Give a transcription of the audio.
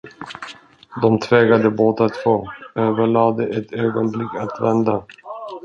De tvekade båda två, överlade ett ögonblick att vända.